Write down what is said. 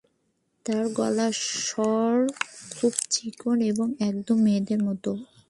তার গলার স্বর খুব চিকন এবং একদম মেয়েদের মত।